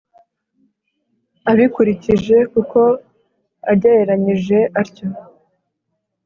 abikurije kuko agereranyije atyo.